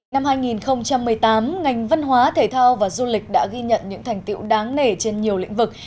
năm hai nghìn một mươi tám ngành văn hóa thể thao và du lịch đã ghi nhận những thành tiệu đáng nể trên nhiều lĩnh vực